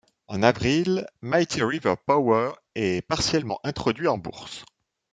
En avril, Mighty River Power est partiellement introduit en bourse.